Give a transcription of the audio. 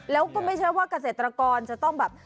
แล้วก็ไม่ใช่ว่าเกษตรกรจะต้องแบบ